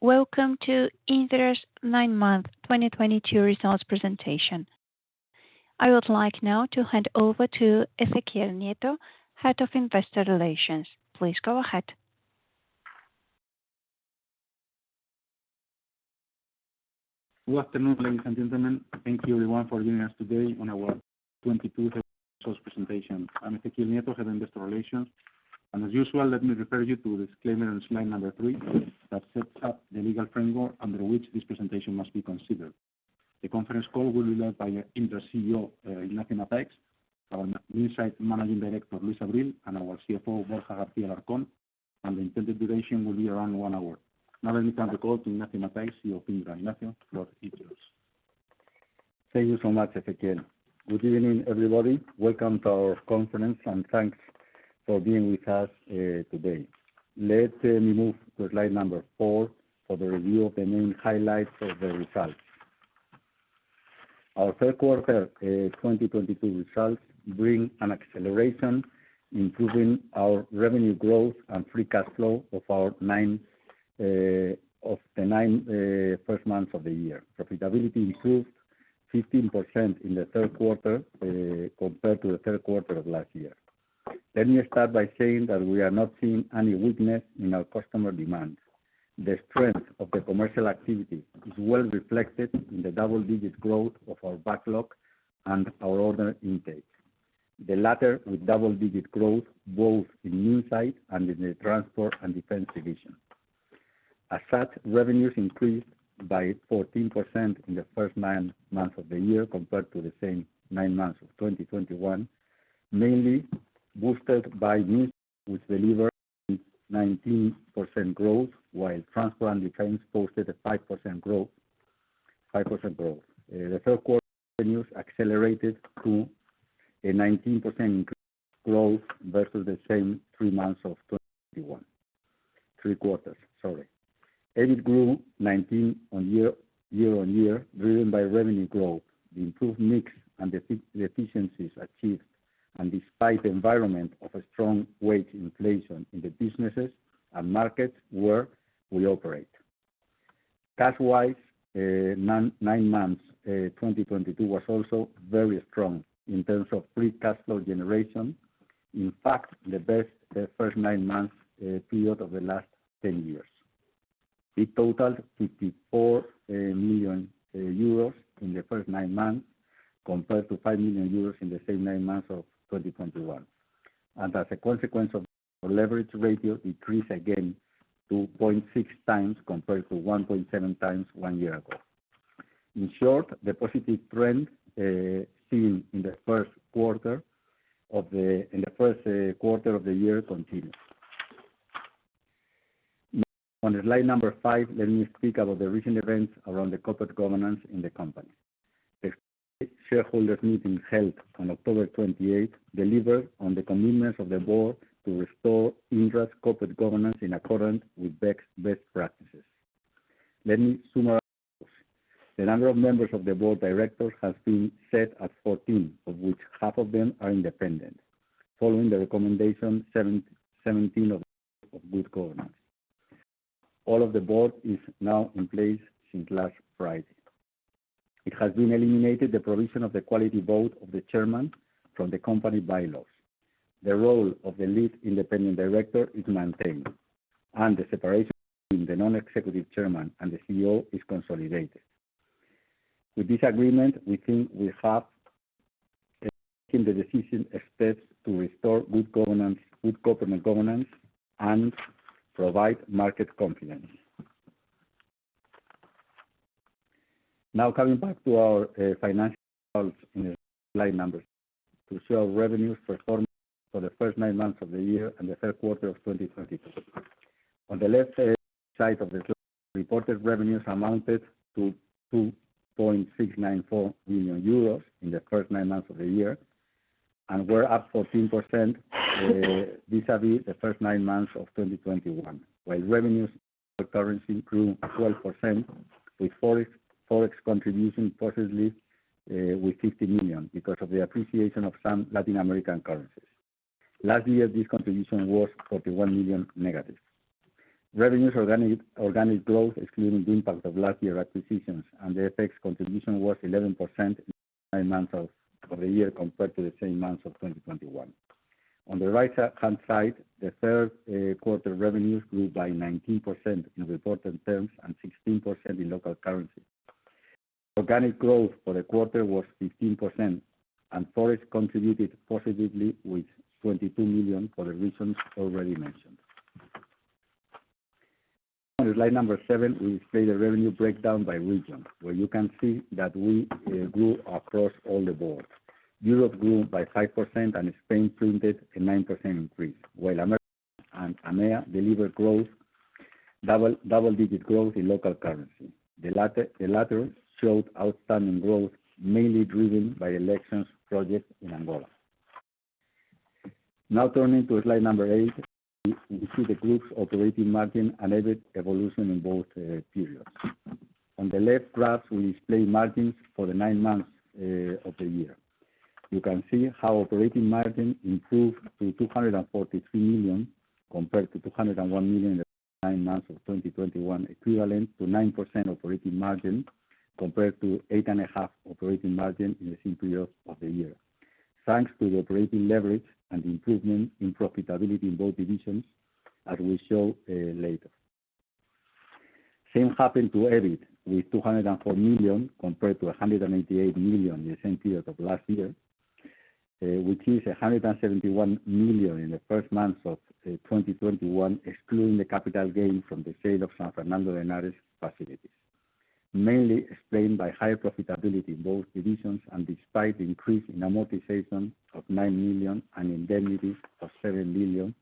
Welcome to Indra's nine-month 2022 results presentation. I would like now to hand over to Ezequiel Nieto, Head of Investor Relations. Please go ahead. Good afternoon, ladies and gentlemen. Thank you everyone for joining us today on our 22 results presentation. I'm Ezequiel Nieto, Head Investor Relations, and as usual, let me refer you to the disclaimer on slide number three that sets out the legal framework under which this presentation must be considered. The conference call will be led by Indra's CEO, Ignacio Mataix, our Minsait Managing Director, Luis Abril, and our CFO, Borja Alarcón, and the intended duration will be around one hour. Now let me turn the call to Ignacio Mataix, CEO of Indra. Ignacio, the floor is yours. Thank you so much, Ezequiel. Good evening, everybody. Welcome to our conference, and thanks for being with us, today. Let me move to slide number four for the review of the main highlights of the results. Our third quarter 2022 results bring an acceleration, improving our revenue growth and free cash flow of the first nine months of the year. Profitability improved 15% in the third quarter compared to the third quarter of last year. Let me start by saying that we are not seeing any weakness in our customer demands. The strength of the commercial activity is well reflected in the double-digit growth of our backlog and our order intake. The latter with double-digit growth both in Minsait and in the Transport and Defense division. As such, revenues increased by 14% in the first nine months of the year compared to the same nine months of 2021, mainly boosted by Minsait, which delivered 19% growth while Transport and Defense posted a 5% growth. The third quarter revenues accelerated to a 19% growth versus the same three months of 2021. EBIT grew 19% year-on-year driven by revenue growth, the improved mix and the efficiencies achieved, and despite the environment of a strong wage inflation in the businesses and markets where we operate. Cash-wise, nine months 2022 was also very strong in terms of free cash flow generation. In fact, the best first nine months period of the last 10 years. It totaled 54 million euros in the first nine months compared to 5 million euros in the same nine months of 2021. As a consequence, the leverage ratio increased again to 0.6x compared to 1.7x one year ago. In short, the positive trend seen in the first quarter of the year continues. Now, on slide number five, let me speak about the recent events around the corporate governance in the company. The extraordinary shareholders meeting held on October 28 delivered on the commitments of the board to restore Indra's corporate governance in accordance with best practices. Let me summarize. The number of members of the Board Directors has been set at 14, of which half of them are independent, following the recommendation 17 of Code of Good Governance. All of the Board is now in place since last Friday. It has been eliminated the provision of the casting vote of the chairman from the company bylaws. The role of the lead independent director is maintained, and the separation between the non-executive chairman and the CEO is consolidated. With this agreement, we think we have taken the decisive steps to restore good governance, good corporate governance and provide market confidence. Now coming back to our financial results in slide nine, we show revenues performance for the first nine months of the year and the third quarter of 2022. On the left side of the slide, reported revenues amounted to 2.694 million euros in the first nine months of the year and were up 14% vis-a-vis the first nine months of 2021. While revenues in local currency grew 12% with Forex contribution positively with 50 million because of the appreciation of some Latin American currencies. Last year, this contribution was 41 million negative. Organic revenue growth, excluding the impact of last year acquisitions and the FX contribution, was 11% in the nine months of the year compared to the same months of 2021. On the right hand side, the third quarter revenues grew by 19% in reported terms and 16% in local currency. Organic growth for the quarter was 15%, and Forex contributed positively with 22 million for the reasons already mentioned. On slide seven, we display the revenue breakdown by region, where you can see that we grew across all the boards. Europe grew by 5% and Spain printed a 9% increase, while Americas and AMEA delivered double-digit growth in local currency. The latter showed outstanding growth, mainly driven by elections projects in Angola. Now turning to slide number eight, we see the group's operating margin and EBIT evolution in both periods. On the left graph, we display margins for the nine months of the year. You can see how operating margin improved to 243 million compared to 201 million in the nine months of 2021, equivalent to 9% operating margin compared to 8.5% operating margin in the same period of the year. Thanks to the operating leverage and improvement in profitability in both divisions, as we show later. same happened to EBIT with 204 million compared to 188 million in the same period of last year, which is 171 million in the first nine months of 2021, excluding the capital gain from the sale of San Fernando and Ares facilities. Mainly explained by higher profitability in both divisions and despite the increase in amortization of 9 million and indemnity of 7 million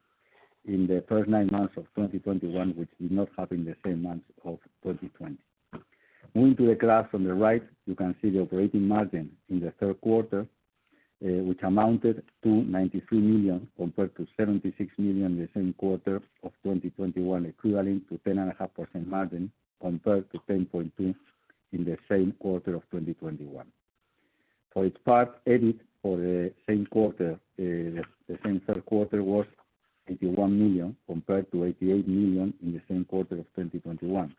in the first nine months of 2021, which did not happen the same months of 2020. Moving to the graph on the right, you can see the operating margin in the third quarter, which amounted to 93 million compared to 76 million in the same quarter of 2021, equivalent to 10.5% margin compared to 10.2% in the same quarter of 2021. For its part, EBIT for the same quarter, the same third quarter was 81 million compared to 88 million in the same quarter of 2021.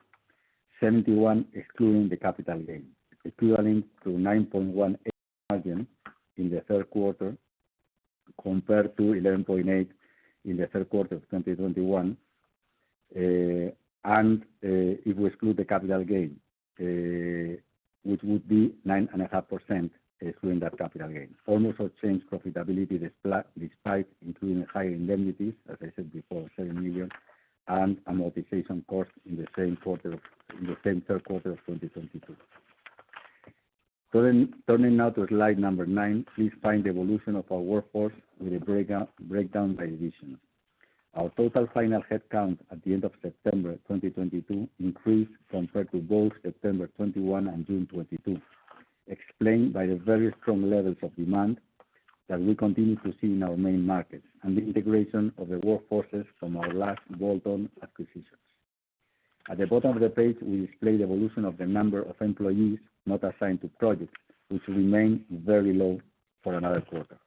71 excluding the capital gain, equivalent to 9.1% margin in the third quarter compared to 11.8% in the third quarter of 2021. If we exclude the capital gain, which would be 9.5% excluding that capital gain. Almost unchanged profitability despite including higher indemnities, as I said before, 7 million and amortization costs in the same third quarter of 2022. Turning now to slide number nine, please find the evolution of our workforce with a breakdown by division. Our total final headcount at the end of September 2022 increased compared to both September 2021 and June 2022, explained by the very strong levels of demand that we continue to see in our main markets and the integration of the workforces from our last bolt-on acquisitions. At the bottom of the page, we display the evolution of the number of employees not assigned to projects, which remain very low for another quarter.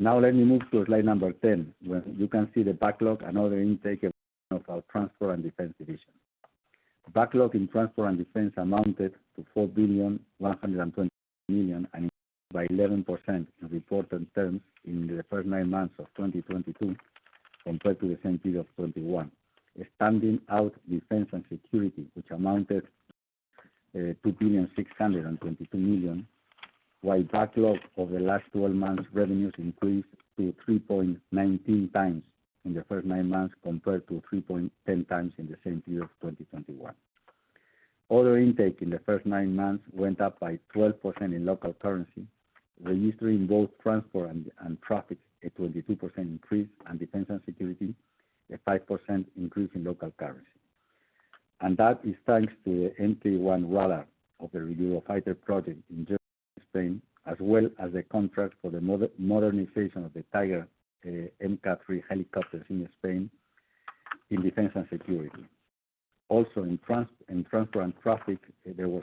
Now let me move to slide number 10, where you can see the backlog and order intake evolution of our Transport and Defense division. Backlog in Transport and Defense amounted to 4.12 billion, and increased by 11% in reported terms in the first nine months of 2022 compared to the same period of 2021. Standing out Defense & Security, which amounted 2.622 billion, while backlog over the last 12 months revenues increased to 3.19x in the first nine months compared to 3.10x in the same period of 2021. Order intake in the first nine months went up by 12% in local currency, registering both Transport and Traffic, a 22% increase, and Defense & Security, a 5% increase in local currency. That is thanks to the MK1 radar of the Eurofighter project in Spain, as well as a contract for the modernization of the Tiger MkIII helicopters in Spain in Defense & Security. In Transport and Traffic, there was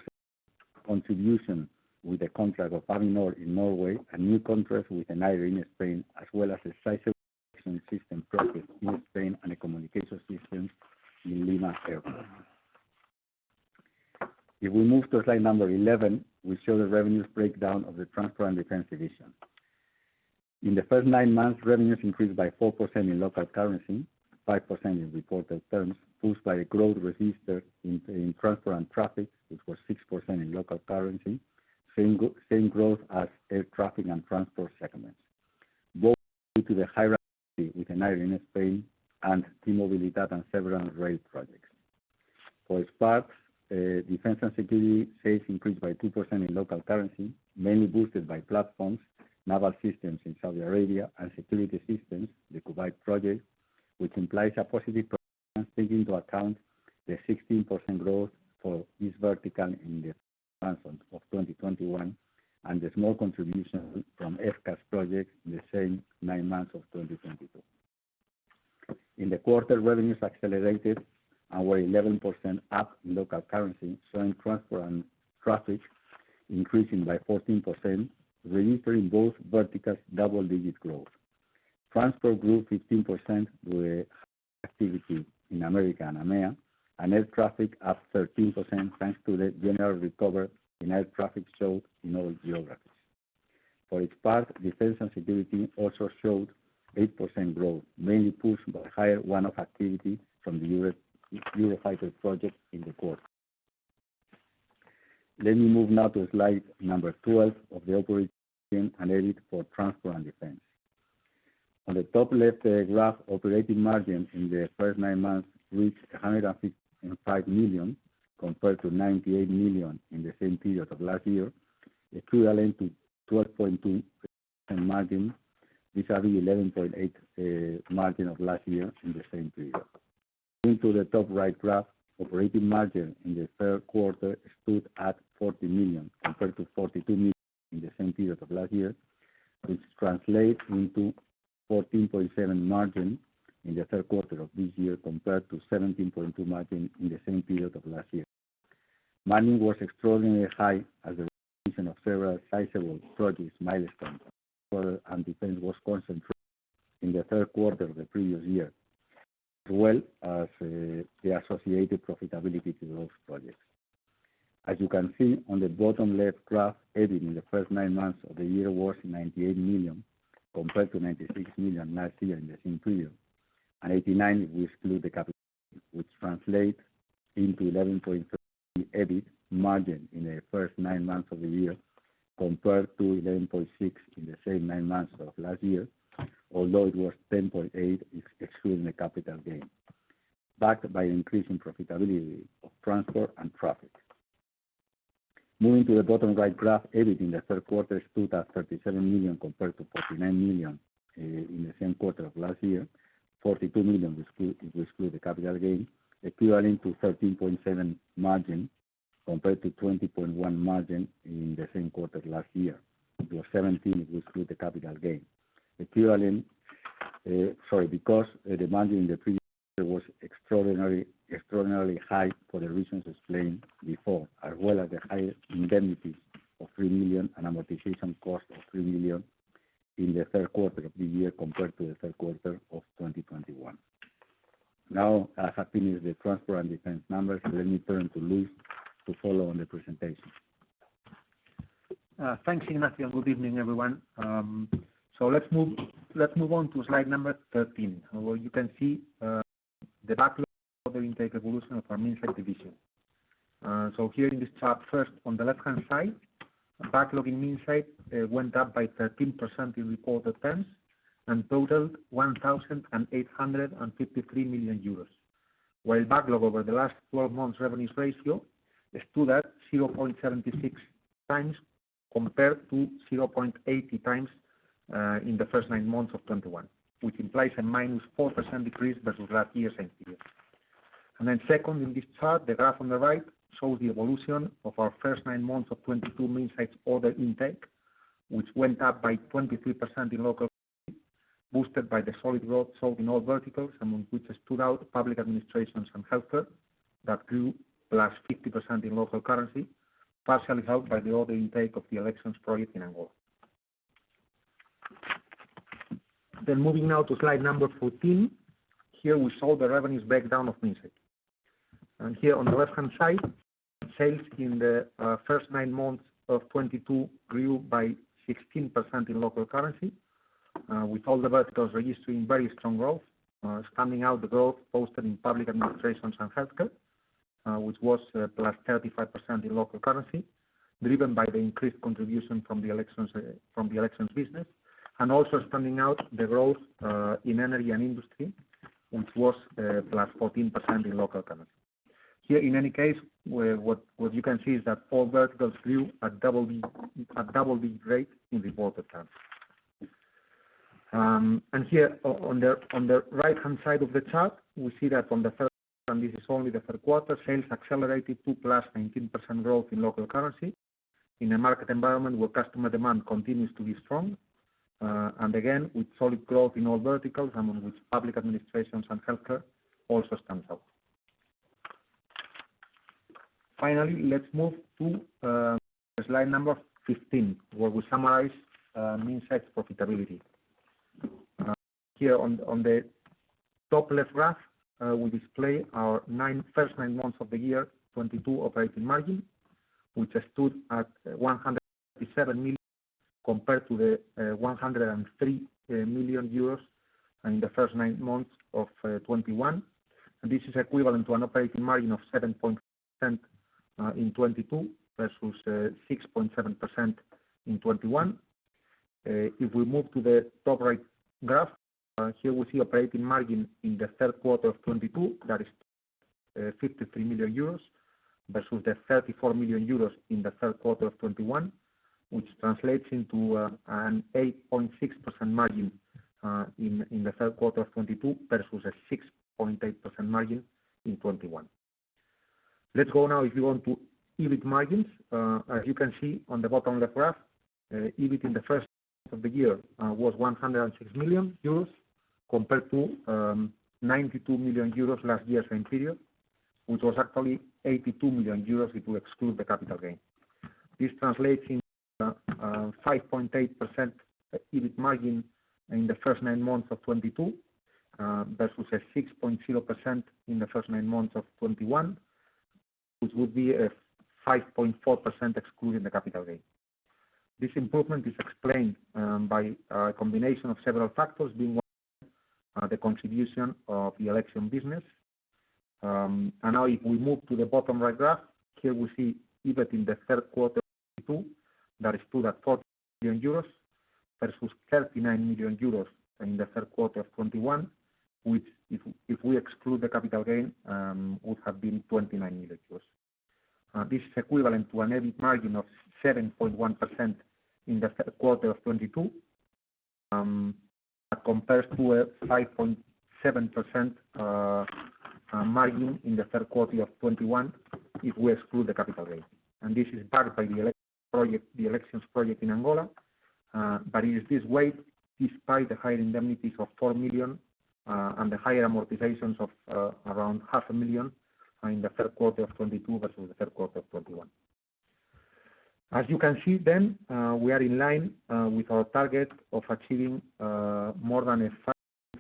contribution with the contract of Avinor in Norway, a new contract with a Ryanair in Spain, as well as a system project in Spain and a communication system in Lima Airport. If we move to slide number 11, we show the revenues breakdown of the Transport and Defense division. In the first nine months, revenues increased by 4% in local currency, 5% in reported terms, pushed by a growth registered in Transport and Traffic, which was 6% in local currency, same growth as Air Traffic and Transport segments. Both due to the high activity with Ryanair in Spain and T-mobilitat data and several rail projects. For its part, Defense & Security sales increased by 2% in local currency, mainly boosted by platforms, naval systems in Saudi Arabia and security systems, the Kuwait project, which implies a positive take into account the 16% growth for this vertical in the first nine months of 2021, and the small contribution from FCAS project in the same nine months of 2022. In the quarter, revenues accelerated and were 11% up in local currency, showing Transport and Traffic increasing by 14%, registering both verticals double-digit growth. Transport grew 15% with activity in America and EMEA, and Air Traffic up 13% thanks to the general recovery in Air Traffic showed in all geographies. For its part, Defense & Security also showed 8% growth, mainly pushed by higher one-off activity from the Eurofighter project in the quarter. Let me move now to slide number 12 of the operating and EBIT for Transport and Defense. On the top left graph, operating margin in the first nine months reached 155 million, compared to 98 million in the same period of last year, equivalent to 12.2% margin, vis-a-vis 11.8% margin of last year in the same period. Moving to the top right graph, operating margin in the third quarter stood at 40 million compared to 42 million in the same period of last year, which translates into 14.7% margin in the third quarter of this year, compared to 17.2% margin in the same period of last year. Minsait was extraordinarily high as a result of several sizable projects milestones, and Defense was concentrated in the third quarter of the previous year, as well as, the associated profitability to those projects. As you can see on the bottom left graph, EBIT in the first nine months of the year was 98 million, compared to 96 million last year in the same period. 89 we exclude the capital, which translates into 11.3% EBIT margin in the first nine months of the year, compared to 11.6% in the same nine months of last year, although it was 10.8% excluding the capital gain, backed by increasing profitability of Transport and Traffic. Moving to the bottom right graph, EBIT in the third quarter stood at 37 million, compared to 49 million in the same quarter of last year. 42 million exclude, if we exclude the capital gain, equivalent to 13.7% margin compared to 20.1% margin in the same quarter last year. It was 17% if we exclude the capital gain. Because the margin in the previous year was extraordinary, extraordinarily high for the reasons explained before, as well as the higher indemnity of 3 million and amortization cost of 3 million in the third quarter of the year, compared to the third quarter of 2021. Now that I've finished the Transport and Defense numbers, let me turn to Luis to follow on the presentation. Thanks, Ignacio. Good evening, everyone. Let's move on to slide number 13, where you can see the backlog order intake evolution of our Minsait division. Here in this chart, first on the left-hand side, backlog in Minsait went up by 13% in reported terms and totaled 1,853 million euros. While backlog over the last 12 months revenues ratio stood at 0.76 times compared to 0.80 times in the first nine months of 2021, which implies a -4% decrease versus last year same period. Second, in this chart, the graph on the right shows the evolution of our first nine months of 2022 Minsait order intake, which went up by 23% in local currency, boosted by the solid growth shown in all verticals, among which stood out public administrations and healthcare, that grew +50% in local currency, partially helped by the order intake of the elections project in Angola. Moving now to slide number 14. Here we show the revenues breakdown of Minsait. Here on the left-hand side, sales in the first nine months of 2022 grew by 16% in local currency, with all the verticals registering very strong growth, standing out the growth posted in public administrations and healthcare, which was +35% in local currency, driven by the increased contribution from the elections business, and also standing out the growth in energy and industry, which was +14% in local currency. Here, in any case, what you can see is that all verticals grew at double-digit rate in reported terms. Here on the right-hand side of the chart, we see that from the third quarter, and this is only the third quarter, sales accelerated to +19% growth in local currency in a market environment where customer demand continues to be strong, and again, with solid growth in all verticals, among which public administrations and healthcare also stands out. Finally, let's move to slide number 15, where we summarize Minsait's profitability. Here on the top left graph, we display our first nine months of 2022 operating margin, which stood at 177 million euros compared to the 103 million euros in the first nine months of 2021. This is equivalent to an operating margin of 7.5% in 2022 versus 6.7% in 2021. If we move to the top right graph, here we see operating margin in the third quarter of 2022, that is, EUR 53 million versus the 34 million euros in the third quarter of 2021, which translates into an 8.6% margin in the third quarter of 2022 versus a 6.8% margin in 2021. Let's go now, if you want to, EBIT margins. As you can see on the bottom left graph, EBIT in the first half of the year was 106 million euros compared to 92 million euros last year same period, which was actually 82 million euros if you exclude the capital gain. This translates into 5.8% EBIT margin in the first nine months of 2022 versus a 6.0% in the first nine months of 2021, which would be a 5.4% excluding the capital gain. This improvement is explained by a combination of several factors, being one, the contribution of the election business. Now if we move to the bottom right graph, here we see EBIT in the third quarter of 2022 that stood at EUR 40 million versus 39 million euros in the third quarter of 2021, which if we exclude the capital gain would have been EUR 29 million. This is equivalent to an EBIT margin of 7.1% in the third quarter of 2022. That compares to a 5.7% margin in the third quarter of 2021 if we exclude the capital gain. This is backed by the elections project in Angola. It is this way despite the high indemnities of 4 million and the higher amortizations of around EUR half a million in the third quarter of 2022 versus the third quarter of 2021. As you can see, we are in line with our target of achieving more than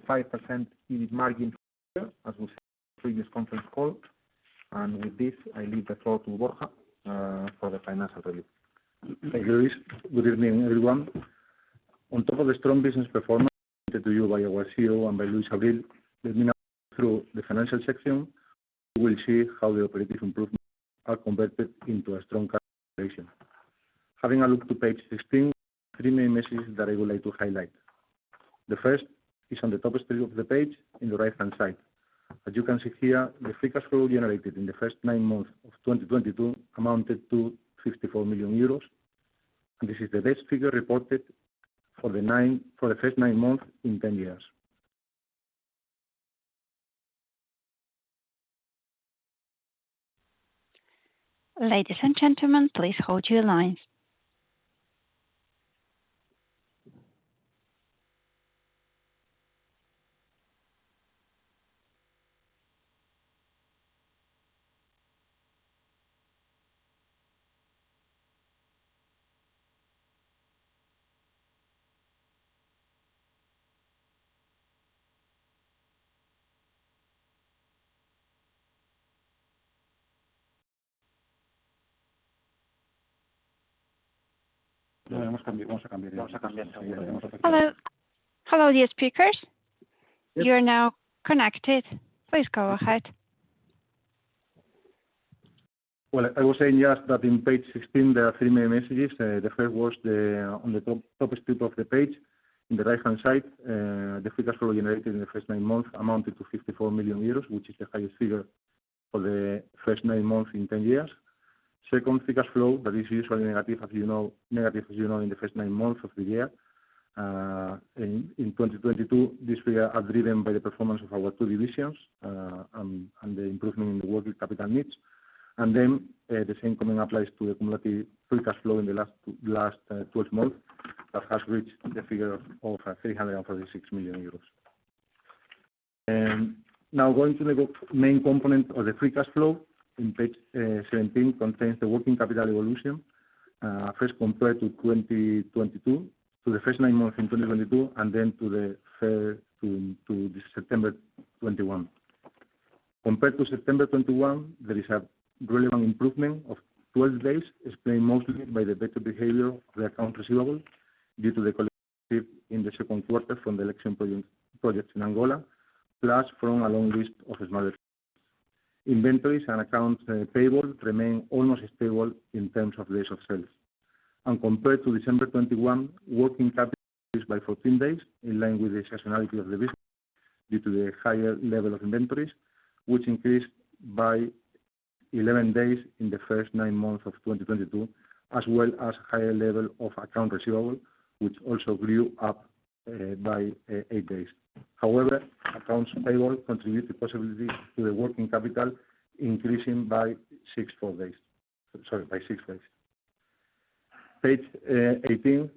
5% EBIT margin for this year, as we said in the previous conference call. With this, I leave the floor to Borja for the financial review. Thank you, Luis. Good evening, everyone. On top of the strong business performance presented to you by our CEO and by Luis Abril, let me now take you through the financial section, where you will see how the operative improvements are converted into a strong cash generation. Having a look to page 16, there are three main messages that I would like to highlight. The first is on the top strip of the page in the right-hand side. As you can see here, the free cash flow generated in the first nine months of 2022 amounted to 54 million euros. This is the best figure reported for the first nine months in 10 years. Ladies and gentlemen, please hold your lines. Hello. Hello, dear speakers. Yes. You are now connected. Please go ahead. Well, I was saying just that in page 16, there are three main messages. The first was on the top strip of the page, in the right-hand side. The free cash flow generated in the first nine months amounted to 54 million euros, which is the highest figure for the first nine months in 10 years. Second, free cash flow that is usually negative, as you know, in the first nine months of the year. In 2022, this figure is driven by the performance of our two divisions and the improvement in the working capital needs. The same comment applies to the cumulative free cash flow in the last 12 months that has reached the figure of 336 million euros. Now going to the main component of the free cash flow in page 17 contains the working capital evolution, first compared to 2022 to the first nine months in 2022, and then to September 2021. Compared to September 2021, there is a relevant improvement of 12 days, explained mostly by the better behavior of the accounts receivable due to the collection received in the second quarter from the elections projects in Angola, plus from a long list of smaller projects. Inventories and accounts payable remain almost stable in terms of days of sales. Compared to December 2021, working capital increased by 14 days, in line with the seasonality of the business due to the higher level of inventories, which increased by 11 days in the first nine months of 2022. As well as higher level of accounts receivable, which also grew up by eight days. However, accounts payable contribute positively to the working capital, increasing by six days. Page 18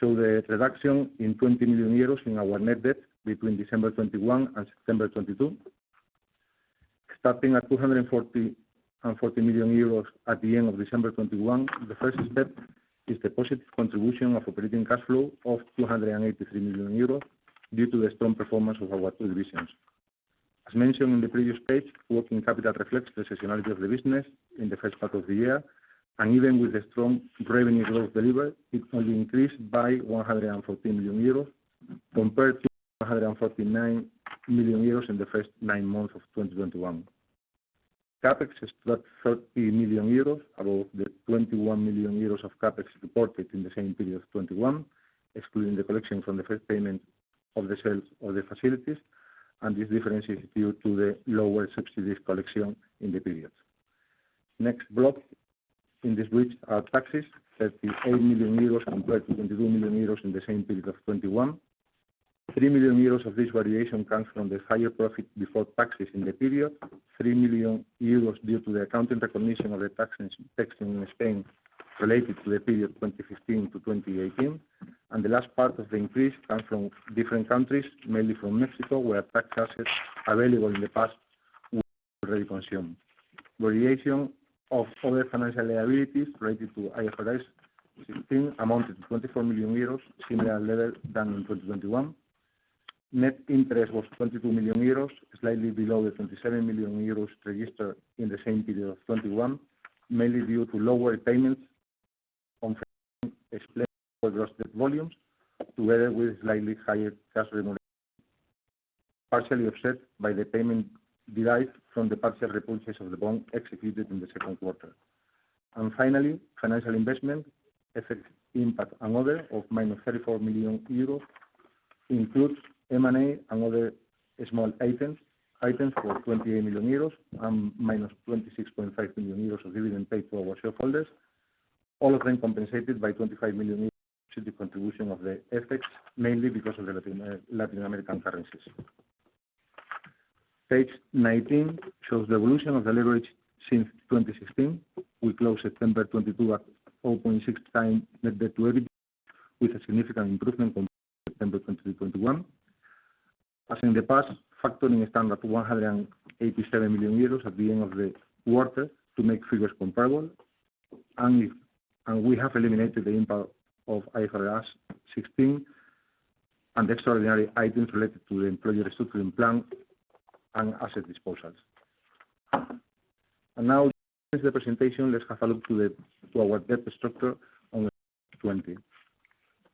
show the reduction in 20 million euros in our net debt between December 2021 and September 2022. Starting at 244 million euros at the end of December 2021, the first step is the positive contribution of operating cash flow of 283 million euros due to the strong performance of our two divisions. As mentioned on the previous page, working capital reflects the seasonality of the business in the first part of the year. Even with the strong revenue growth delivered, it only increased by 114 million euros compared to 149 million euros in the first nine months of 2021. CapEx is 30 million euros, above the 21 million euros of CapEx reported in the same period of 2021, excluding the collection from the first payment of the sales of the facilities. This difference is due to the lower subsidies collection in the period. Next block in this bridge are taxes, 38 million euros compared to 22 million euros in the same period of 2021. 3 million euros of this variation comes from the higher profit before taxes in the period. 3 million euros due to the accounting recognition of the taxes, tax in Spain related to the period 2015 to 2018. The last part of the increase comes from different countries, mainly from Mexico, where tax assets available in the past were already consumed. Variation of other financial liabilities related to IFRS 16 amounted to 24 million euros, similar level to in 2021. Net interest was 22 million euros, slightly below the 27 million euros registered in the same period of 2021, mainly due to lower payments on financing explained by lower drawn debt volumes, together with slightly higher cash remittances. Partially offset by the payment derived from the partial repurchase of the bond executed in the second quarter. Finally, financial investment effects impact and other, of -34 million euros, includes M&A and other small items for 28 million euros and -26.5 million euros of dividend paid to our shareholders. All of them compensated by 25 million euros, which is the contribution of the effects, mainly because of the Latin American currencies. Page 19 shows the evolution of the leverage since 2016. We closed September 2022 at 0.6 times net debt to EBITDA, with a significant improvement from September 2021. As in the past, factoring a standard 187 million euros at the end of the quarter to make figures comparable. We have eliminated the impact of IFRS 16 and extraordinary items related to the employee restructuring plan and asset disposals. Now to finish the presentation, let's have a look to our debt structure on page 20.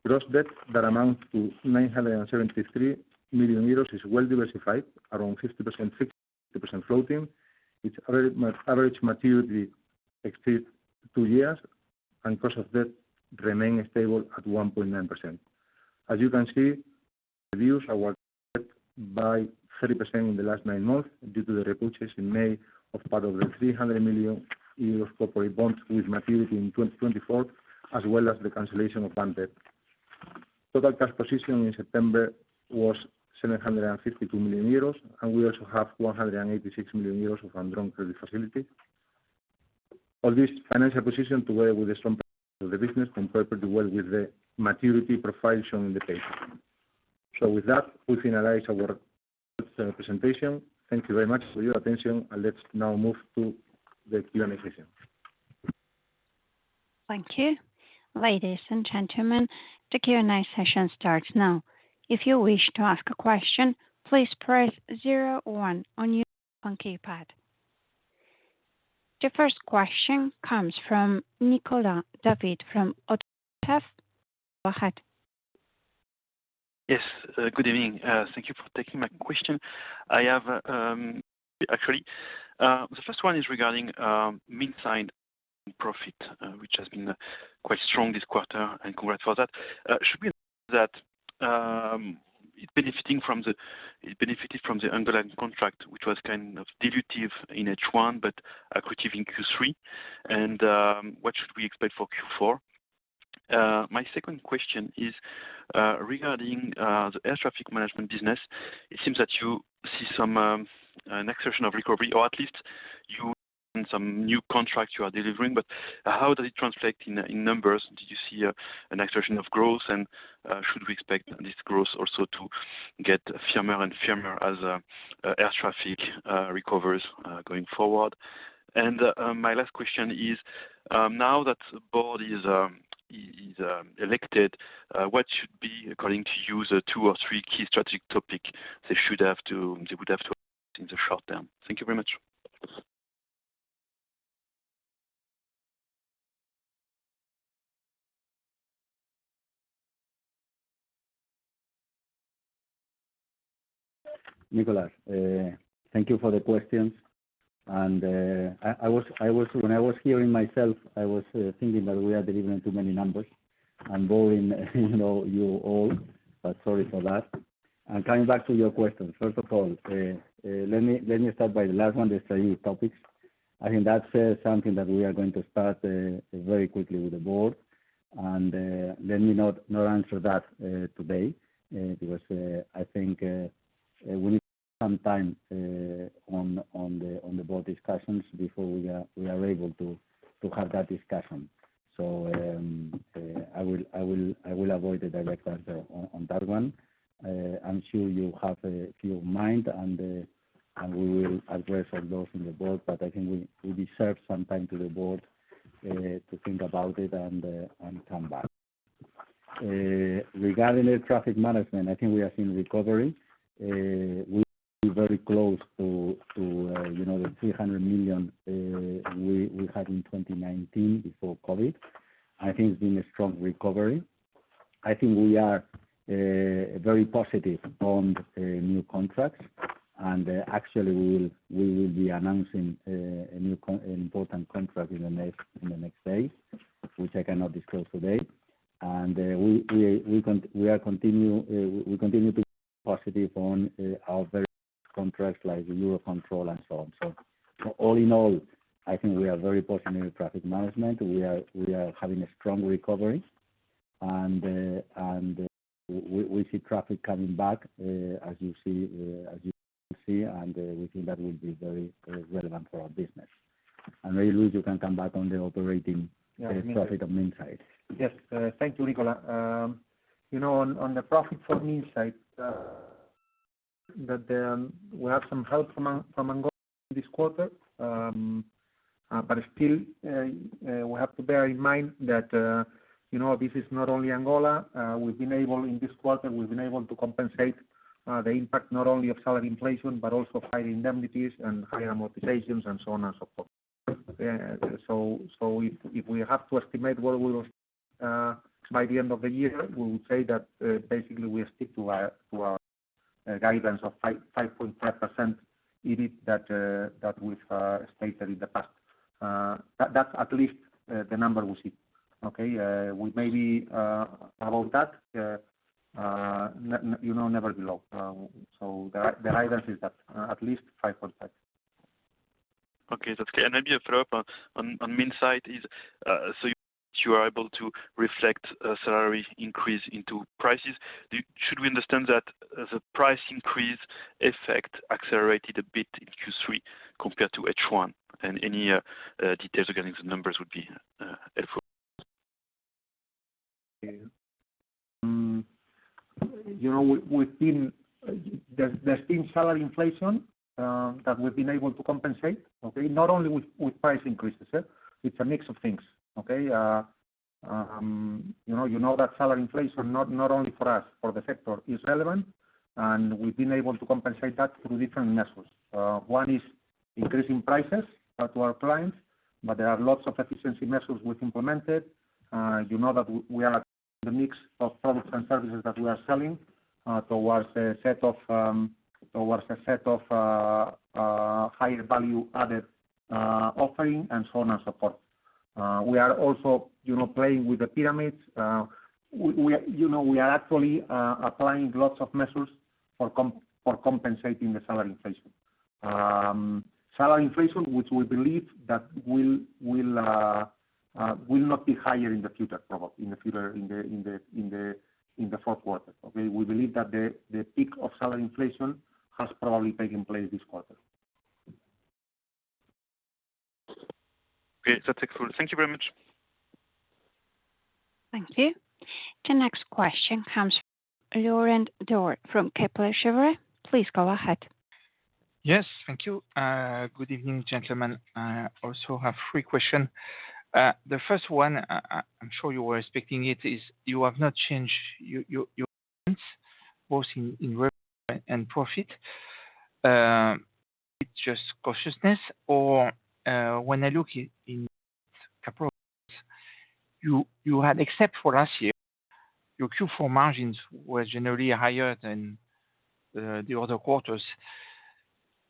Gross debt that amounts to 973 million euros is well diversified, around 50% fixed, 50% floating, with average maturity exceeds two years, and cost of debt remains stable at 1.9%. As you can see, we reduced our debt by 30% in the last nine months due to the repurchase in May of part of the 300 million euro corporate bond with maturity in 2024, as well as the cancellation of bond debt. Total cash position in September was 752 million euros, and we also have 186 million euros of undrawn credit facility. All this financial position, together with the strength of the business, compare pretty well with the maturity profile shown in the page. With that, we finalize our presentation. Thank you very much for your attention, and let's now move to the Q&A session. Thank you. Ladies and gentlemen, the Q&A session starts now. If you wish to ask a question, please press zero one on your phone keypad. The first question comes from Nicolas David from ODDO BHF. Go ahead. Yes. Good evening. Thank you for taking my question. I have, actually, the first one is regarding Minsait profit, which has been quite strong this quarter, and congrats for that. Should we assume that it benefited from the underlying contract, which was kind of dilutive in H1, but accretive in Q3? What should we expect for Q4? My second question is regarding the Air Traffic Management business. It seems that you see some acceleration of recovery, or at least you won some new contracts you are delivering. But how does it translate in numbers? Do you see an acceleration of growth? Should we expect this growth also to get firmer and firmer as Air Traffic recovers going forward? My last question is, now that the Board is elected, what should be, according to you, the two or three key strategic topic they would have to address in the short term? Thank you very much. Nicolas, thank you for the questions. I was When I was hearing myself, I was thinking that we are delivering too many numbers and boring, you know, you all, but sorry for that. Coming back to your question, first of all, let me start by the last one, the strategy topics. I think that's something that we are going to start very quickly with the Board. Let me not answer that today, because I think we need some time on the Board discussions before we are able to have that discussion. I will avoid a direct answer on that one. I'm sure you have a few in mind, and we will address all those in the Board, but I think we deserve some time to the Board to think about it and come back. Regarding Air Traffic Management, I think we are seeing recovery. We are very close to the 300 million we had in 2019 before COVID. I think it's been a strong recovery. I think we are very positive on new contracts. Actually, we will be announcing a new important contract in the next days, which I cannot disclose today. We continue to be positive on our various contracts like Eurocontrol and so on. All in all, I think we are very positive in Air Traffic Management. We are having a strong recovery. We see traffic coming back, as you see, and we think that will be very relevant for our business. Luis, you can come back on the operating Air Traffic on Minsait. Yes. Thank you, Nicolas. You know, on the profits on Minsait, that we have some help from Angola this quarter. But still, we have to bear in mind that, you know, this is not only Angola. We've been able to compensate in this quarter the impact not only of salary inflation, but also of high indemnities and higher amortizations and so on and so forth. So if we have to estimate what we will see by the end of the year, we would say that, basically, we stick to our guidance of 5.5% EBIT that we've stated in the past. That's at least the number we see. Okay? We may be above that, you know, never below. The guidance is at least 5.5. Okay. That's clear. Maybe a follow-up on Minsait is, so you are able to reflect a salary increase into prices. Should we understand that as a price increase effect accelerated a bit in Q3 compared to H1? Any details regarding the numbers would be helpful. You know, there's been salary inflation that we've been able to compensate, okay? Not only with price increases. It's a mix of things, okay? You know that salary inflation not only for us, for the sector is relevant, and we've been able to compensate that through different measures. One is increasing prices to our clients, but there are lots of efficiency measures we've implemented. You know that we are the mix of products and services that we are selling towards a set of higher value added offering and so on and support. We are also, you know, playing with the pyramids. We, you know, we are actually applying lots of measures for compensating the salary inflation. Salary inflation, which we believe that will not be higher in the future, probably in the fourth quarter. Okay. We believe that the peak of salary inflation has probably taken place this quarter. Okay. That's helpful. Thank you very much. Thank you. The next question comes from Laurent Daure from Kepler Cheuvreux. Please go ahead. Yes. Thank you. Good evening, gentlemen. I also have three questions. The first one, I'm sure you were expecting it, is that you have not changed your guidance both in revenue and profit. Is it just cautiousness? Or, when I look in the past couple years, you had, except for last year, your Q4 margins were generally higher than the other quarters.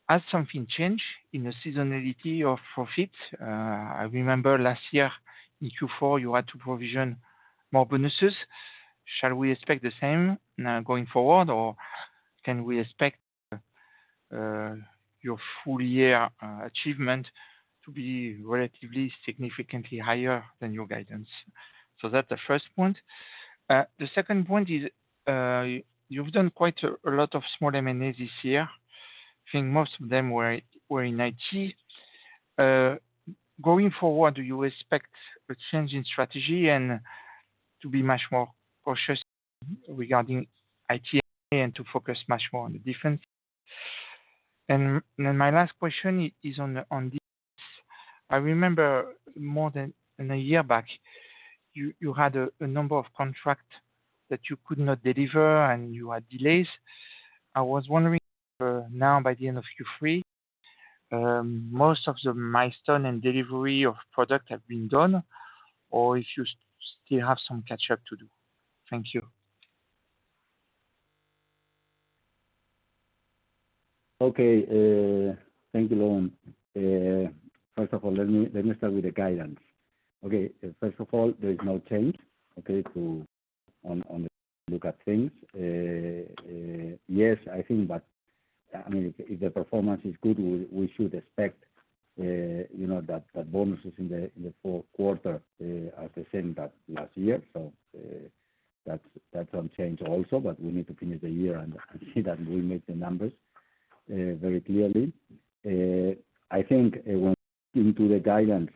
Has something changed in the seasonality of profit? I remember last year in Q4, you had to provision more bonuses. Shall we expect the same now going forward, or can we expect your full year achievement to be relatively significantly higher than your guidance? That's the first point. The second point is, you've done quite a lot of small M&As this year. I think most of them were in IT. Going forward, do you expect a change in strategy and to be much more cautious regarding IT and to focus much more on the Defense? Then my last question is on this. I remember more than a year back, you had a number of contracts that you could not deliver, and you had delays. I was wondering now by the end of Q3, most of the milestones and delivery of products have been done or if you still have some catch up to do. Thank you. Thank you, Laurent. First of all, let me start with the guidance. First of all, there is no change to the way we look at things. Yes, I think that, I mean, if the performance is good, we should expect, you know, that the bonuses in the fourth quarter are the same as last year. That don't change also. We need to finish the year and see that we make the numbers very clearly. I think when into the guidance,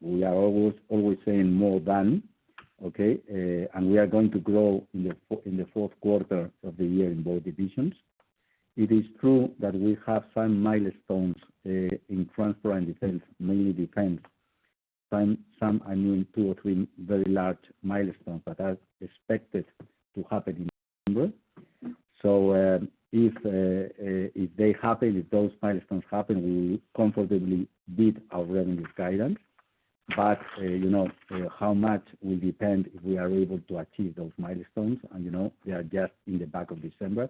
we are always saying more than, okay? We are going to grow in the fourth quarter of the year in both divisions. It is true that we have some milestones in Transport and Defense, mainly Defense. Some are new, two or three very large milestones that are expected to happen in December. If they happen, if those milestones happen, we comfortably beat our revenue guidance. You know, how much will depend if we are able to achieve those milestones. You know, we are just in the back of December,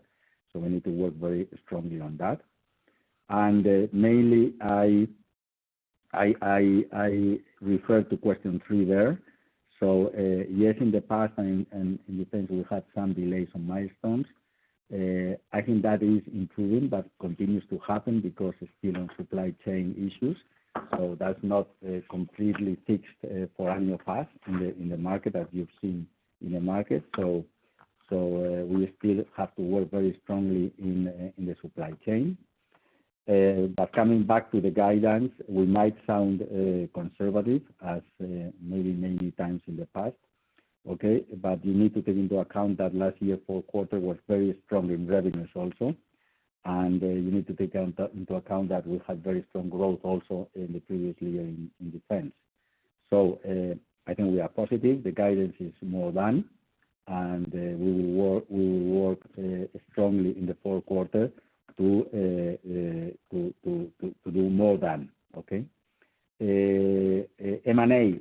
so we need to work very strongly on that. Mainly I refer to question three there. Yes, in the past and in Defense, we had some delays on milestones. I think that is improving, but continues to happen because it's still on supply chain issues. That's not completely fixed for annual past in the market as you've seen in the market. We still have to work very strongly in the supply chain. Coming back to the guidance, we might sound conservative as maybe many times in the past. Okay. You need to take into account that last year, fourth quarter was very strong in revenues also. You need to take into account that we had very strong growth also in the previous year in Defense. I think we are positive. The guidance is more than, and we will work strongly in the fourth quarter to do more than. Okay. M&A.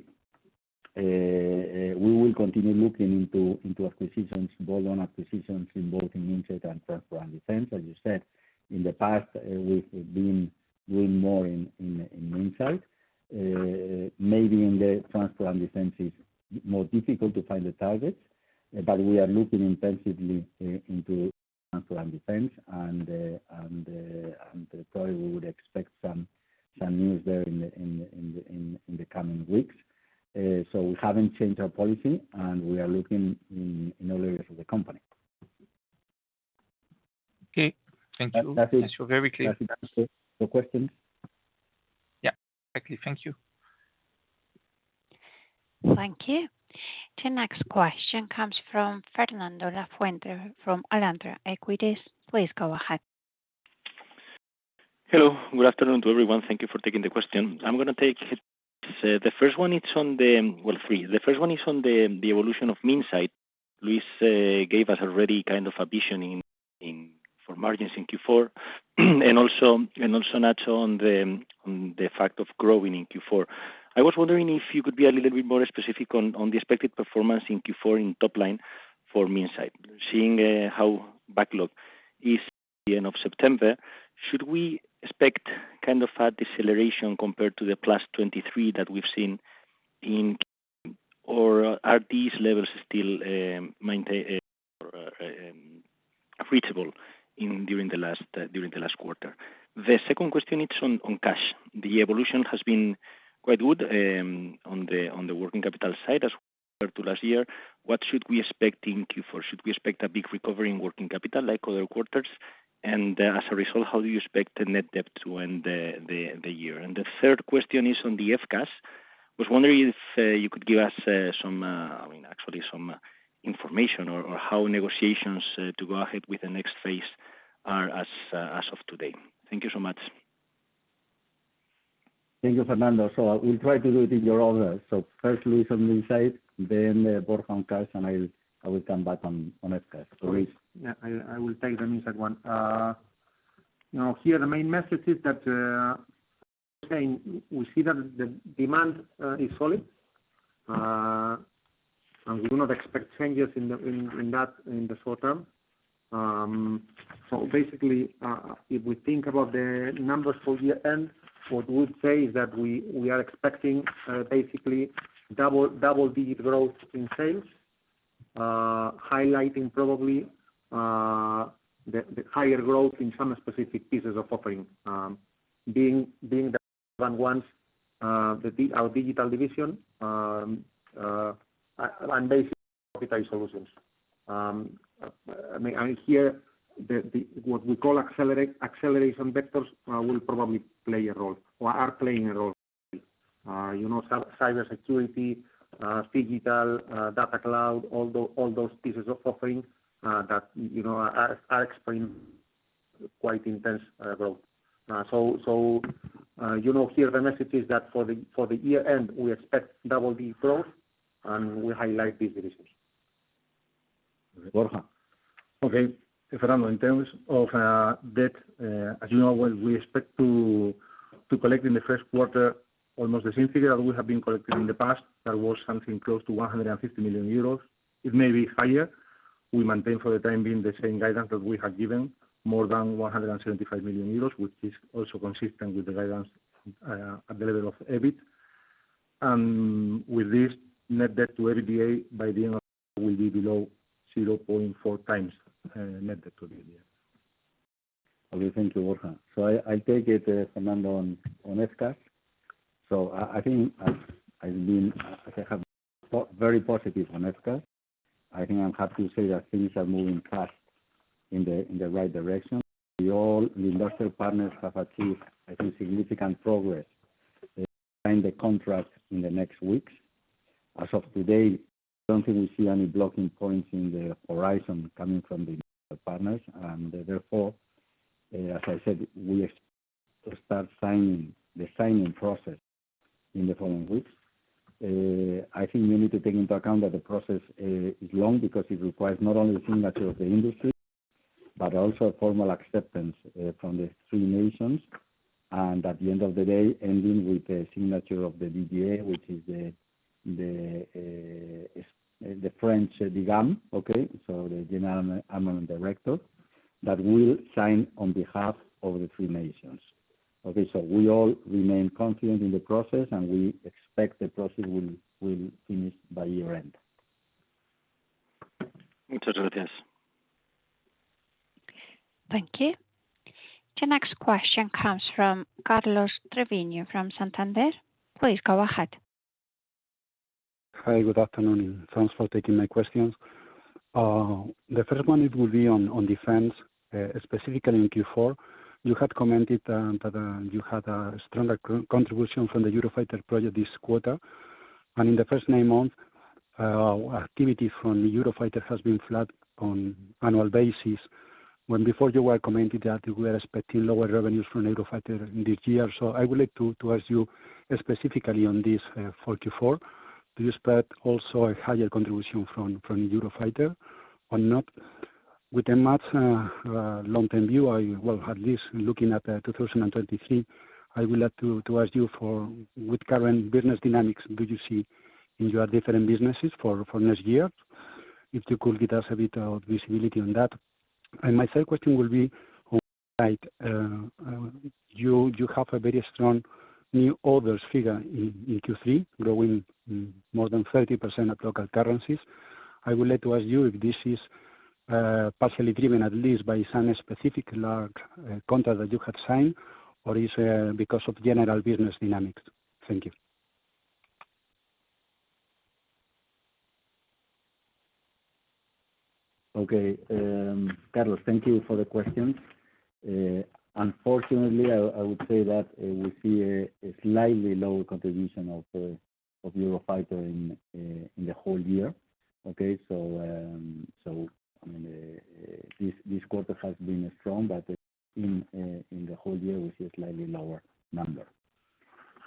We will continue looking into acquisitions, bolt-on acquisitions in both Minsait and Transport and Defense. As you said, in the past, we've been doing more in Minsait. Maybe in the Transport and Defense is more difficult to find the targets. We are looking intensively into Transport and Defense and probably we would expect some news there in the coming weeks. We haven't changed our policy, and we are looking in all areas of the company. Okay. Thank you. That is. That's very clear. No questions? Yeah, exactly. Thank you. Thank you. The next question comes from Fernando Lafuente from Alantra Equities. Please go ahead. Hello. Good afternoon to everyone. Thank you for taking the question. I'm gonna take it. The first one is on the, well, three. The first one is on the evolution of Minsait. Luis gave us already kind of a vision for margins in Q4, and also the fact of growing in Q4. I was wondering if you could be a little bit more specific on the expected performance in Q4 in top line for Minsait. Seeing how backlog is at the end of September, should we expect kind of a deceleration compared to the +23% that we've seen in? Or are these levels still reachable during the last quarter? The second question is on cash. The evolution has been quite good on the working capital side as compared to last year. What should we expect in Q4? Should we expect a big recovery in working capital like other quarters? As a result, how do you expect the net debt to end the year? The third question is on the FCAS. I was wondering if you could give us some, I mean, actually some information or how negotiations to go ahead with the next phase are as of today. Thank you so much. Thank you, Fernando. I will try to do it in your order. First Luis on Minsait, then Borja on cash, and I will come back on FCAS. Luis. Yeah. I will take the Minsait one. Now here the main message is that, we're saying we see that the demand is solid. We do not expect changes in the short term. Basically, if we think about the numbers for the end, what we would say is that we are expecting basically double digit growth in sales, highlighting probably the higher growth in some specific pieces of offering, being the one, our digital division, and basically solutions. I mean, and here the what we call acceleration vectors will probably play a role or are playing a role. You know, cybersecurity, digital, data, cloud, all those pieces of offering that you know are experiencing quite intense growth. You know, here the message is that for the year end, we expect double digit growth, and we highlight these results. Borja. Okay. Fernando, in terms of debt, as you know, well we expect to collect in the first quarter almost the same figure that we have been collecting in the past. That was something close to 150 million euros. It may be higher. We maintain for the time being the same guidance that we have given, more than 175 million euros, which is also consistent with the guidance at the level of EBIT. With this net debt to EBITDA by the end of the year will be below 0.4 times, net debt to the EBITDA. Okay. Thank you, Borja. I take it, Fernando, on FCAS. I think I've been very positive on FCAS. I think I'm happy to say that things are moving fast in the right direction. We all, the industrial partners have achieved, I think, significant progress to sign the contract in the next weeks. As of today, I don't even see any blocking points on the horizon coming from the partners. Therefore, as I said, we expect to start signing the signing process in the following weeks. I think we need to take into account that the process is long because it requires not only the signature of the industry, but also a formal acceptance from the three nations, and at the end of the day, ending with a signature of the DGA, which is the French DGA. The General Armament Director that will sign on behalf of the three nations. We all remain confident in the process, and we expect the process will finish by year-end. Muchas gracias. Thank you. The next question comes from Carlos Treviño from Santander. Please go ahead. Hi. Good afternoon, and thanks for taking my questions. The first one it will be on Defense, specifically in Q4. You had commented that you had a stronger contribution from the Eurofighter project this quarter. In the first nine months, activity from Eurofighter has been flat on annual basis when before you were commenting that you were expecting lower revenues from Eurofighter in this year. I would like to ask you specifically on this, for Q4, do you expect also a higher contribution from Eurofighter or not? With a much long-term view, I will at least looking at 2023, I would like to ask you for with current business dynamics, do you see in your different businesses for next year? If you could give us a bit of visibility on that. My third question will be on Minsait. You have a very strong new orders figure in Q3, growing more than 30% in local currencies. I would like to ask you if this is partially driven at least by some specific large contract that you have signed or is because of general business dynamics. Thank you. Okay. Carlos, thank you for the questions. Unfortunately, I would say that we see a slightly lower contribution of Eurofighter in the whole year. Okay? This quarter has been strong, but in the whole year, we see a slightly lower number.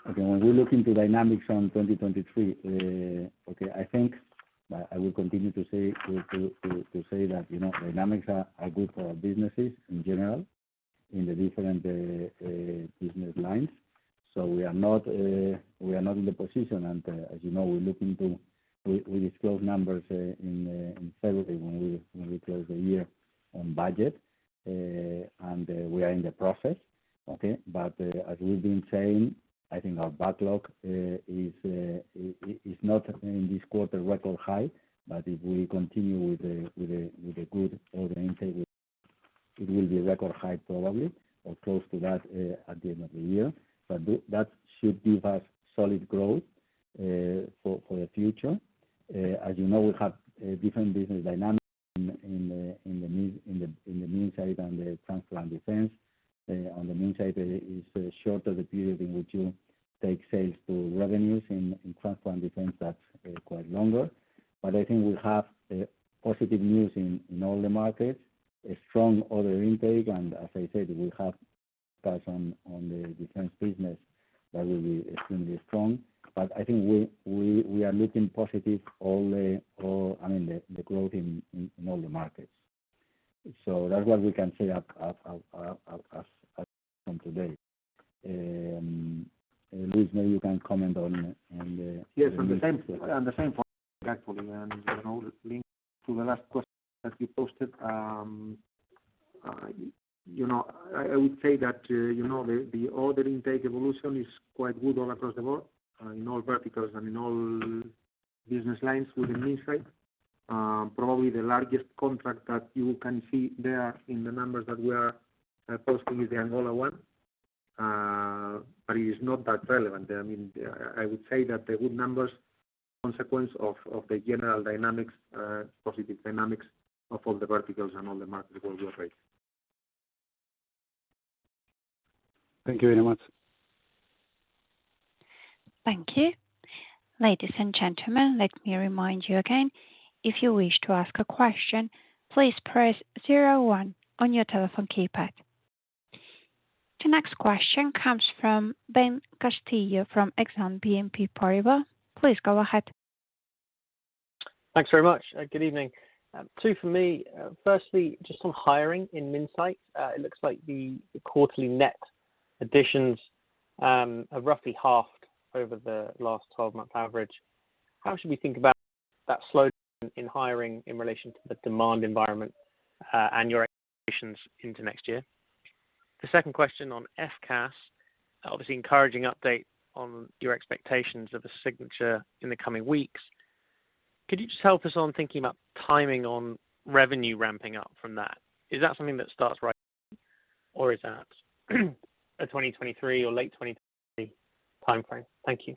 Okay, when we look into dynamics on 2023, I think that I will continue to say that, you know, dynamics are good for our businesses in general in the different business lines. We are not in the position. As you know, we disclose numbers in February when we close the year on budget. We are in the process. Okay? As we've been saying, I think our backlog is not in this quarter record high. If we continue with the good order intake, it will be a record high probably or close to that at the end of the year. That should give us solid growth for the future. As you know, we have different business dynamics in the Minsait and the Transport and Defense. On the Minsait, is shorter the period in which you take sales to revenues. In Transport and Defense, that's quite longer. I think we have positive news in all the markets, a strong order intake, and as I said, we have focus on the Defense business. That will be extremely strong. I think we are looking positive. I mean, the growth in all the markets. That's what we can say up as from today. And Luis, maybe you can comment on the- Yes. On the same point, actually. In all, linked to the last question that you posed, you know, I would say that, you know, the order intake evolution is quite good all across the board, in all verticals and in all business lines within Minsait. Probably the largest contract that you can see there in the numbers that we are posting is the Angola one. But it is not that relevant. I mean, I would say that the good numbers are a consequence of the general dynamics, positive dynamics of all the verticals and all the markets where we operate. Thank you very much. Thank you. Ladies and gentlemen, let me remind you again, if you wish to ask a question, please press zero one on your telephone keypad. The next question comes from Ben Castillo from Exane BNP Paribas. Please go ahead. Thanks very much. Good evening. Two for me. Firstly, just on hiring in Minsait. It looks like the quarterly net additions have roughly halved over the last twelve-month average. How should we think about that slowdown in hiring in relation to the demand environment, and your expectations into next year? The second question on FCAS. Obviously encouraging update on your expectations of a signature in the coming weeks. Could you just help us on thinking about timing on revenue ramping up from that? Is that something that starts right away or is that a 2023 or late 2020 timeframe? Thank you.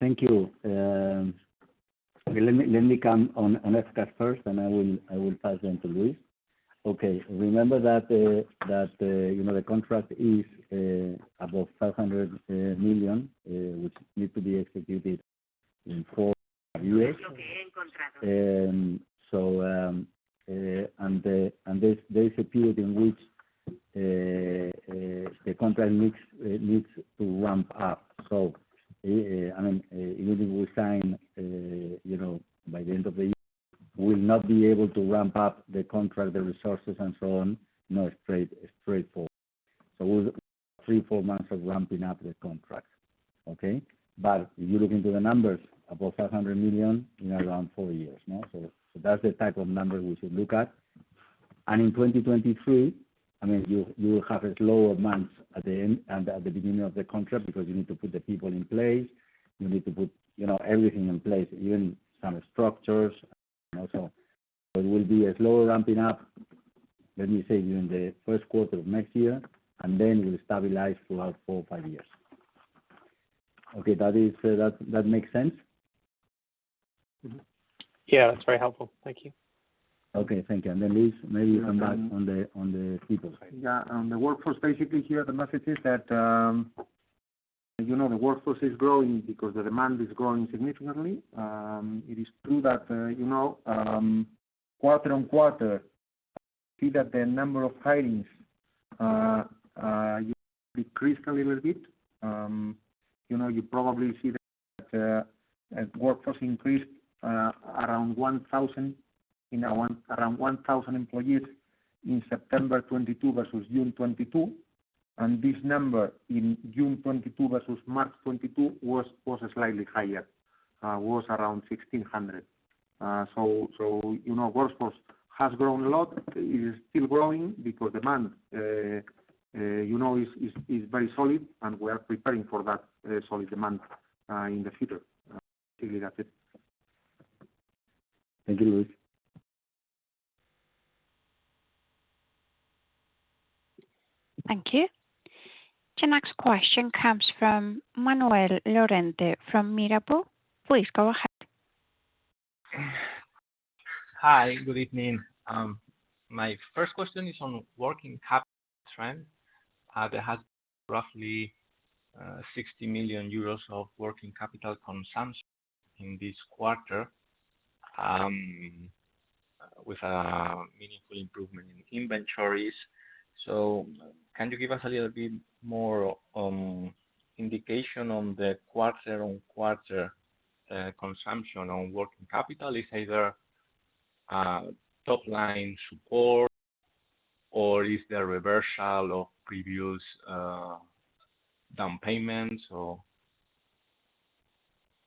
Thank you. Okay. Let me come in on FCAS first, and I will pass then to Luis. Okay. Remember that you know, the contract is above 500 million which need to be executed in four years. There's a period in which the contract needs to ramp up. I mean, even if we sign you know, by the end of the year, we'll not be able to ramp up the contract, the resources and so on, you know, straightforward. Three-four months of ramping up the contract. Okay? If you look into the numbers, above 500 million in around four years. No? That's the type of number we should look at. In 2023, I mean, you will have a slower month at the end and at the beginning of the contract because you need to put the people in place. You need to put, you know, everything in place, even some structures, you know. It will be a slower ramping up, let me say during the first quarter of next year, and then we'll stabilize throughout four or five years. Okay. That makes sense? Yeah, that's very helpful. Thank you. Okay, thank you. Luis, maybe you come back on the people side. Yeah. On the workforce, basically here the message is that, you know, the workforce is growing because the demand is growing significantly. It is true that, you know, quarter on quarter, see that the number of hirings decreased a little bit. You know, you probably see that, workforce increased around 1,000, you know, around 1,000 employees in September 2022 versus June 2022. This number in June 2022 versus March 2022 was slightly higher, was around 1,600. So, you know, workforce has grown a lot. It is still growing because demand, you know, is very solid, and we are preparing for that, solid demand, in the future. I believe that's it. Thank you, Luis. Thank you. The next question comes from Manuel Llorente from Mirabaud. Please go ahead. Hi, good evening. My first question is on working capital trend. There has been roughly 60 million euros of working capital consumption in this quarter, with a meaningful improvement in inventories. Can you give us a little bit more indication on the quarter-over-quarter consumption on working capital? Is either top line support or is there reversal of previous down payments or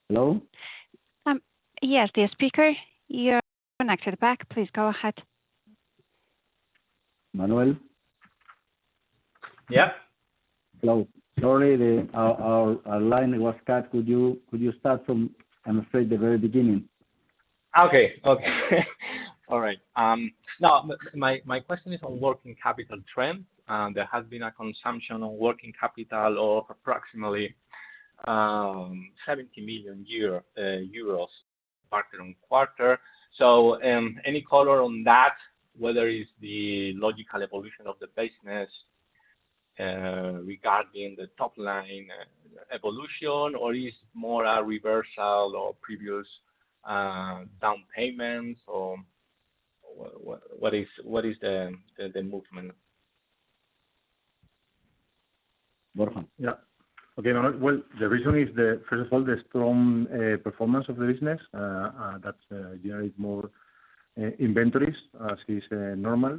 Hello? Yes, dear speaker, you're next at the back. Please go ahead. Manuel? Yeah. Hello. Sorry, our line was cut. Could you start from, I'm afraid, the very beginning? All right. No, my question is on working capital trends. There has been a consumption on working capital of approximately EUR 70 million quarter-on-quarter. Any color on that, whether it's the logical evolution of the business regarding the top line evolution or is more a reversal of previous down payments or what is the movement? Yeah. Okay, Manuel. Well, the reason is, first of all, the strong performance of the business that generate more inventories is normal.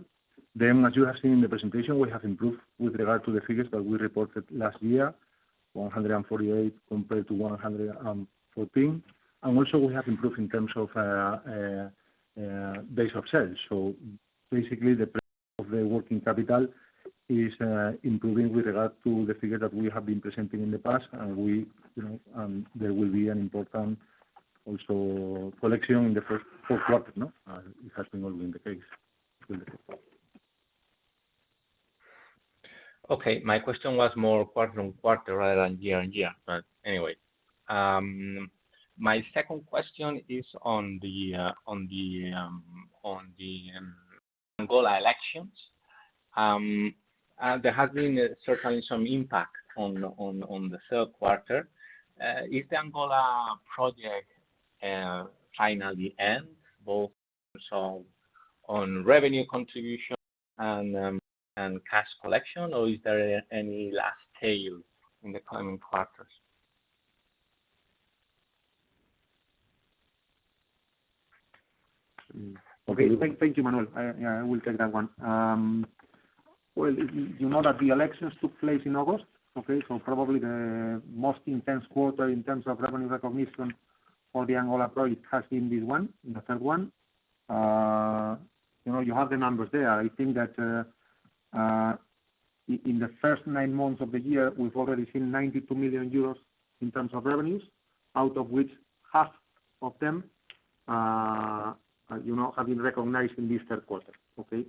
As you have seen in the presentation, we have improved with regard to the figures that we reported last year, 148 compared to 114. Also we have improved in terms of days of sales. Basically, the use of the working capital is improving with regard to the figures that we have been presenting in the past. We, you know, there will be an important also collection in the first fourth quarter, no? It has always been the case. My question was more quarter-on-quarter rather than year-on-year. Anyway, my second question is on the Angola elections. There has been certainly some impact on the third quarter. Is the Angola project finally end both from on revenue contribution and cash collection, or is there any last tail in the coming quarters? Okay. Thank you, Manuel. I will take that one. Well, you know that the elections took place in August, okay? Probably the most intense quarter in terms of revenue recognition for the Angola project has been this one, the third one. You know, you have the numbers there. I think that in the first nine months of the year, we've already seen 92 million euros in terms of revenues, out of which half of them, you know, have been recognized in this third quarter, okay?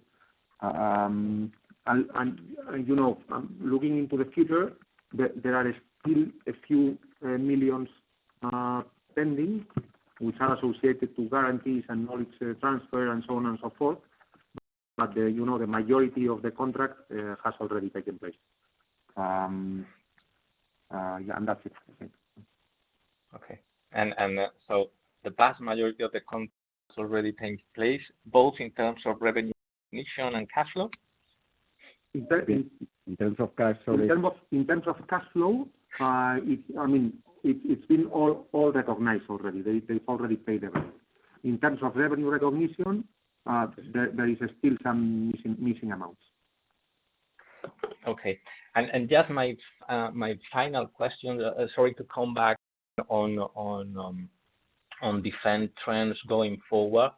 And you know, looking into the future, there are still a few million pending, which are associated to guarantees and knowledge transfer and so on and so forth. You know, the majority of the contract has already taken place. And that's it, I think. The vast majority of the contracts already taking place, both in terms of revenue recognition and cash flow? In terms of cash flow, I mean, it's been all recognized already. They've already paid the bill. In terms of revenue recognition, there is still some missing amounts. Just my final question, sorry to come back on Defense trends going forward.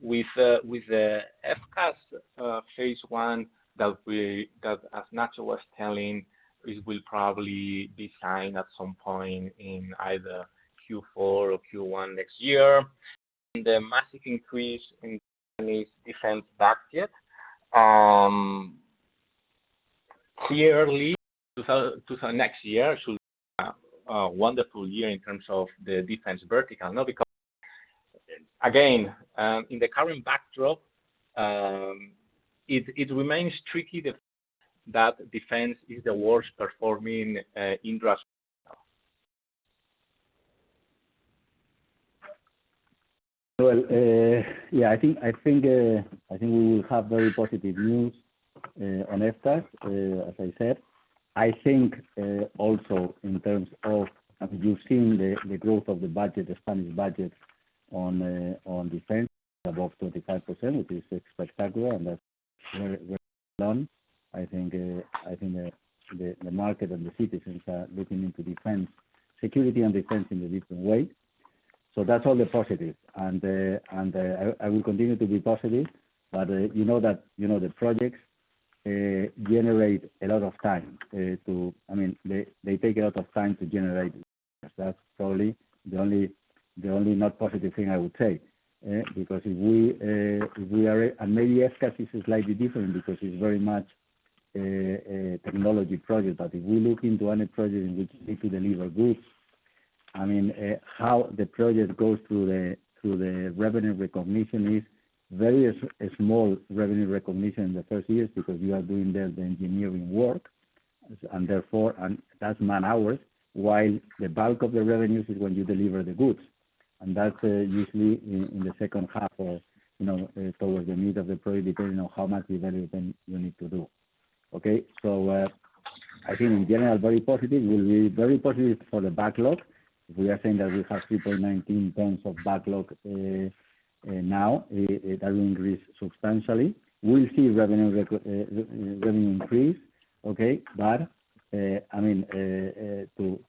With the FCAS phase I as Ignacio was telling, it will probably be signed at some point in either Q4 or Q1 next year. The massive increase in Defense budget, clearly two thousand next year, should be a wonderful year in terms of the Defense vertical, no? Because again, in the current backdrop, it remains tricky the fact that Defense is the worst performing Indra's vertical. I think we will have very positive news on FCAS, as I said. I think also in terms of, as you've seen, the growth of the budget, the Spanish budget on Defense above 35%, which is spectacular, and that's very well done. I think the market and the citizens are looking into Defense, Security & Defense in a different way. That's all the positive. I will continue to be positive, but you know that, you know, the projects take a lot of time to generate. That's probably the only not positive thing I would say, because if we are. And maybe FCAS is slightly different because it's very much a technology project. But if we look into any project in which we need to deliver goods, I mean, how the project goes through the revenue recognition is very small revenue recognition in the first years because you are doing the engineering work, and therefore, and that's man-hours, while the bulk of the revenues is when you deliver the goods. That's usually in the second half of, you know, towards the mid of the project, depending on how much revenue then you need to do. Okay. I think in general, very positive. We'll be very positive for the backlog. We are saying that we have 3.19 billion of backlog now. It has increased substantially. We'll see revenue increase, okay? I mean, to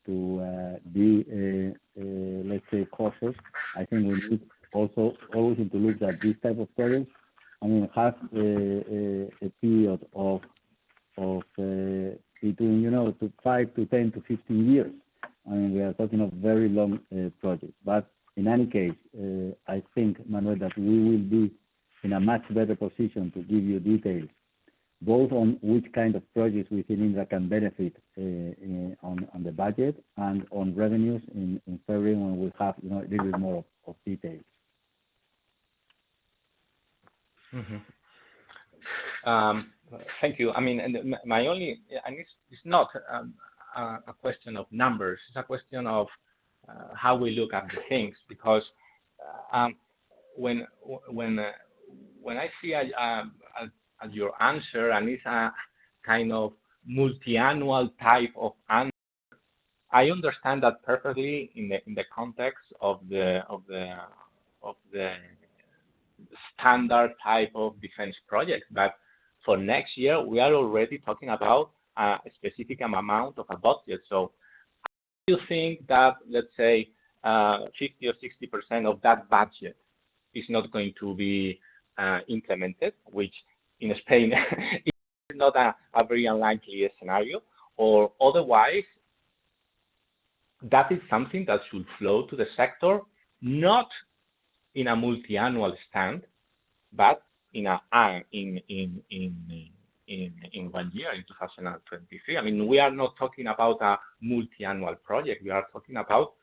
be cautious, I think we need also always to look at this type of projects. I mean, it has a period of between, you know, two to five to 10 to 15 years. I mean, we are talking of very long projects. In any case, I think, Manuel, that we will be in a much better position to give you details both on which kind of projects we think Indra can benefit on the budget and on revenues in February when we have, you know, a little bit more of details. Thank you. I mean, it's not a question of numbers. It's a question of how we look at the things. When I see your answer, and it's a kind of multi-annual type of answer, I understand that perfectly in the context of the standard type of Defense project. For next year, we are already talking about a specific amount of a budget. I still think that, let's say, 50% or 60% of that budget is not going to be implemented, which in Spain is not a very unlikely scenario. Otherwise, that is something that should flow to the sector, not in a multi-annual standpoint, but in one year, in 2023. I mean, we are not talking about a multi-annual project. We are talking about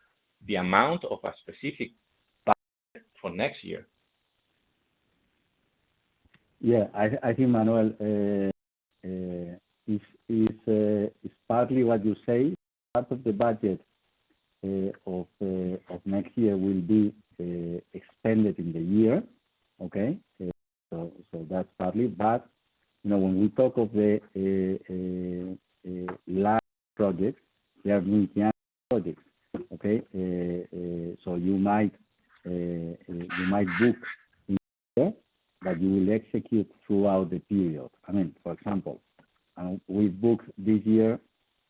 the amount of a specific budget for next year. Yeah. I think, Manuel, it's partly what you say. Part of the budget of next year will be expended in the year, okay? That's partly. You know, when we talk of the large projects, they are multi-annual projects, okay? You might book this year, but you will execute throughout the period. I mean, for example, we booked this year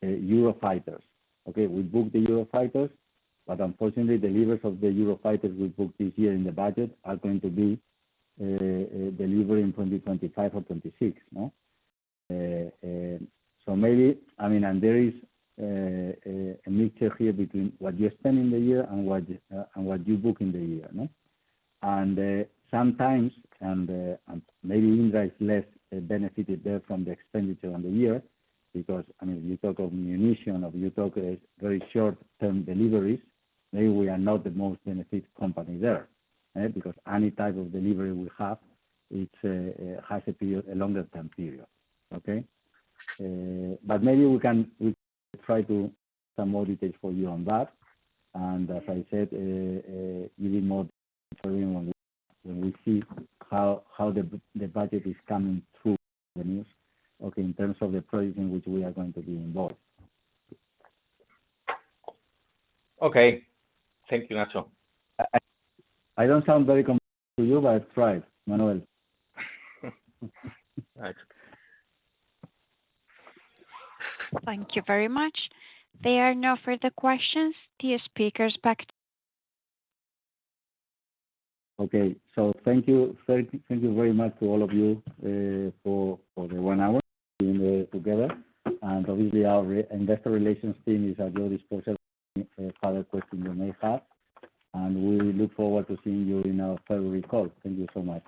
Eurofighters. Okay? We booked the Eurofighters, but unfortunately, deliveries of the Eurofighters we booked this year in the budget are going to be delivered in 2025 or 2026, no? Maybe. I mean, there is a mixture here between what you spend in the year and what you book in the year, no? Sometimes maybe Indra is less benefited there from the expenditure on the year because, I mean, if you talk of munition, or if you talk a very short-term deliveries, maybe we are not the most benefited company there, eh? Because any type of delivery we have has a longer-term period. Okay? Maybe we try to get some more details for you on that. As I said, we need more time for everyone when we see how the budget is coming through for us, okay, in terms of the projects in which we are going to be involved. Okay. Thank you, Ignacio. I don't sound very convincing to you, but I try, Manuel. Thanks. Thank you very much. There are no further questions. Okay. Thank you. Thank you very much to all of you for the one hour being together. Obviously our Investor Relations team is at your disposal for any further question you may have, and we look forward to seeing you in our February call. Thank you so much.